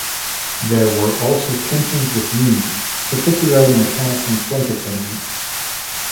There were also tensions with unions, particularly mechanics and flight attendants.